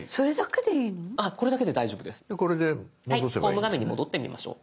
ホーム画面に戻ってみましょう。